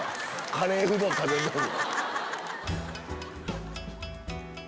カレーうどん食べるのに。